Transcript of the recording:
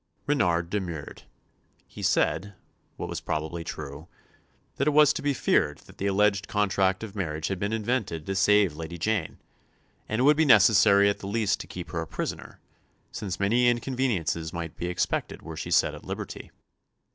Renard demurred. He said, what was probably true, that it was to be feared that the alleged contract of marriage had been invented to save Lady Jane; and it would be necessary at the least to keep her a prisoner, since many inconveniences might be expected were she set at liberty.